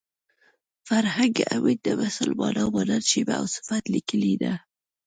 فرهنګ عمید د مثل مانا مانند شبیه او صفت لیکلې ده